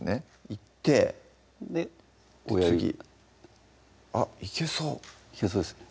いってで親指あっいけそういけそうですね